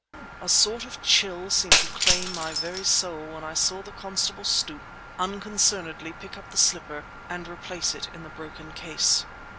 A sort of chill seemed to claim my very soul when I saw the constable stoop, unconcernedly pick up the slipper, and replace it in the broken case.